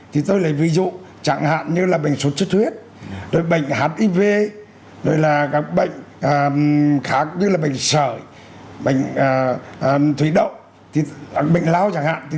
thì tôi lấy ví dụ chẳng hạn như là bệnh sốt chất huyết bệnh hiv bệnh khá như là bệnh sợi bệnh thủy động bệnh lao chẳng hạn